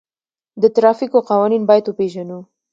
د ترافیکو قوانین باید وپیژنو.